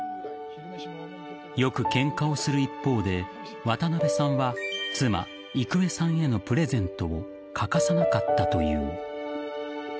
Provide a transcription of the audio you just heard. よくケンカをする一方で渡辺さんは妻・郁恵さんへのプレゼントを欠かさなかったという。